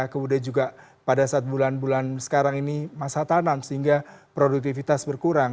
kemudian juga pada saat bulan bulan sekarang ini masa tanam sehingga produktivitas berkurang